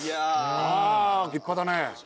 あ立派だね。